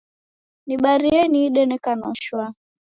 Nibarie niide neka na shwaa